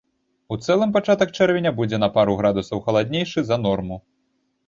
У цэлым пачатак чэрвеня будзе на пару градусаў халаднейшы за норму.